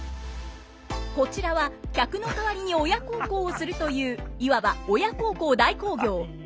こちらは客の代わりに親孝行をするといういわば親孝行代行業。